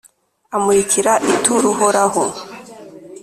amurikira ituro Uhoraho,